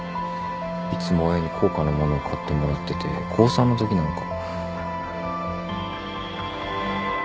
いつも親に高価なものを買ってもらってて高３のときなんか。